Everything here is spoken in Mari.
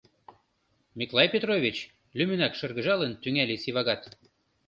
— Микалай Петрович, — лӱмынак шыргыжалын, тӱҥале Сивагат.